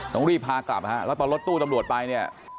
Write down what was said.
ต้องรีบพากลับฮะแล้วตอนรถตู้ตำรวจไปเนี่ย